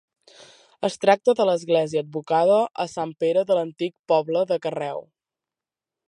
Es tracta de l'església advocada a sant Pere de l'antic poble de Carreu.